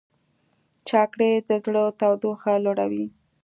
چاکلېټ د زړه تودوخه لوړوي.